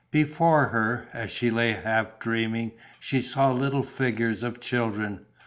Before her, as she lay half dreaming, she saw little figures of children.